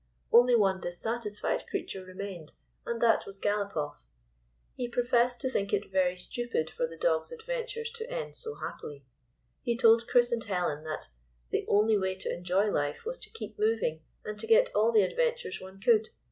Only one dissatisfied creature remained, and that was Galopoff. He professed to think it very stupid for the dog's adventures to end so happily. He told Chris and Helen that " the only way to enjoy life was to keep moving and to get all the adventures one could."